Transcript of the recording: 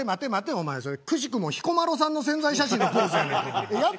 お前それくしくも彦摩呂さんの宣材写真のポーズやないかお前。